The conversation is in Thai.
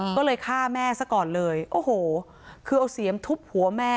ก็เลยฆ่าแม่ซะก่อนเลยโอ้โหคือเอาเสียมทุบหัวแม่